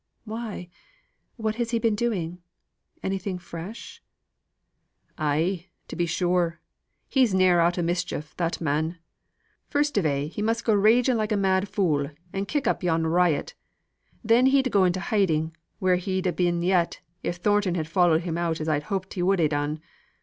"Why? What has he been doing? Anything fresh?" "Ay, to be sure. He's ne'er out o' mischief, that man. First of a' he must go raging like a mad fool, and kick up yon riot. Then he'd to go into hiding, where he'd a been yet, if Thornton had followed him out as I'd hoped he would ha' done.